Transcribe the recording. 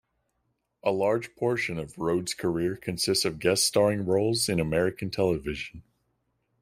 A large portion of Rhodes' career consists of guest starring roles in American television.